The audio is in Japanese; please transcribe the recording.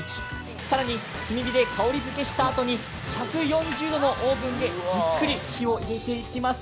更に炭火で香りづけしたあとに１４０度のオーブンでじっくり火を入れていきます。